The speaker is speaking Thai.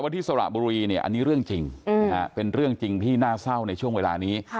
ที่สระบุรีเนี่ยอันนี้เรื่องจริงเป็นเรื่องจริงที่น่าเศร้าในช่วงเวลานี้